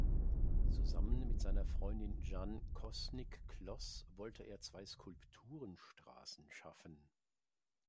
Zusammen mit seiner Freundin Jeanne Kosnick-Kloss wollte er zwei Skulpturenstraßen schaffen.